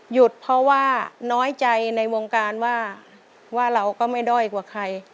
หยุดเพราะว่าน้อยใจในวงการว่าเราก็ไม่ด้อยกว่าใคร